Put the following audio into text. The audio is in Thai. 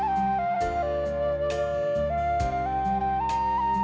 บ๊ายบาย